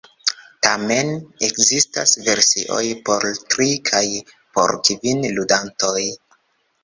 Tamen, ekzistas versioj por tri kaj por kvin ludantoj.